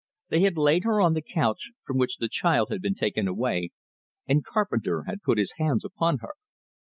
They had laid her on the couch, from which the child had been taken away, and Carpenter had put his hands upon her.